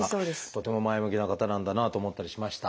とても前向きな方なんだなと思ったりしました。